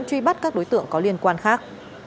truy bắt các đối tượng có liên quan khác